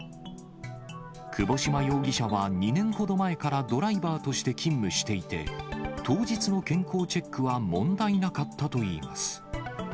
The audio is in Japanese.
窪島容疑者は２年ほど前からドライバーとして勤務していて、当日の健康チェックは問題なかったといいます。